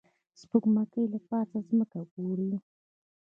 سپوږمکۍ له پاسه ځمکه ګوري